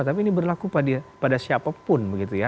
tapi ini berlaku pada siapapun begitu ya